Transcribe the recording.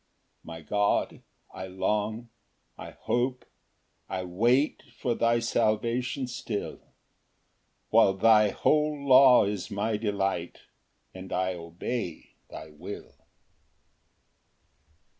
6 My God, I long, I hope, I wait For thy salvation still; While thy whole law is my delight, And I obey thy will.